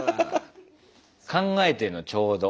考えてんのちょうど。